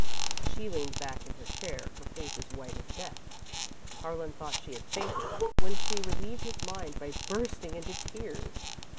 She leaned back in her chair, her face as white as death. Harlan thought she had fainted, when she relieved his mind by bursting into tears.